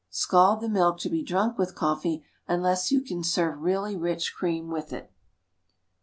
Scald the milk to be drunk with coffee, unless you can serve really rich cream with it.